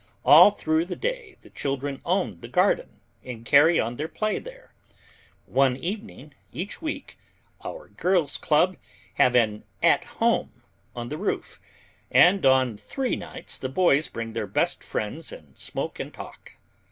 All through the day the children own the garden and carry on their play there. One evening each week our girls' club have an "at home" on the roof, and on three nights the boys bring their friends and smoke and talk.